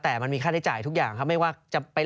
แต่มันมีค่าใช้จ่ายทุกอย่างครับไม่ว่าจะเป็น